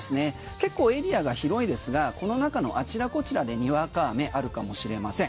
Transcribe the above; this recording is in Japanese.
結構エリアが広いですがこの中のあちらこちらでにわか雨あるかもしれません。